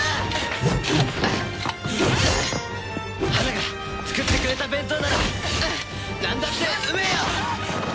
花が作ってくれた弁当ならなんだってうめえよ！